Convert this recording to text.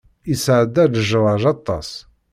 Yesɛedda ṛejṛaj aṭas.